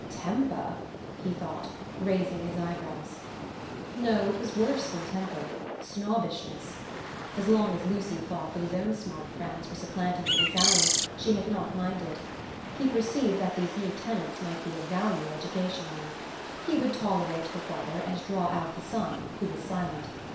"Temper!" he thought, raising his eyebrows. No, it was worse than temper—snobbishness. As long as Lucy thought that his own smart friends were supplanting the Miss Alans, she had not minded. He perceived that these new tenants might be of value educationally. He would tolerate the father and draw out the son, who was silent.